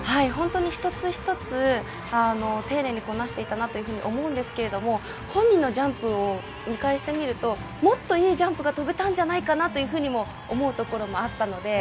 本当に一つ一つ丁寧にこなしていたなというふうに思いますが本人のジャンプを見返してみるともっといいジャンプが跳べたんじゃないかなというふうにも思うところがありました。